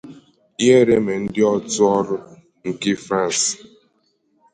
Ihere mee ndị otu ọrụ nke Frans!